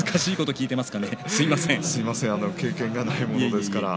すみません経験がないものですから。